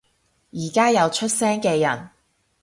而家有出聲嘅人